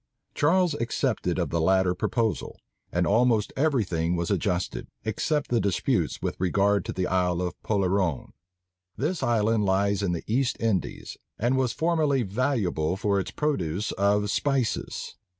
Charles accepted of the latter proposal; and almost every thing was adjusted, except the disputes with regard to the Isle of Polerone. This island lies in the East Indies, and was formerly valuable for its produce of spices.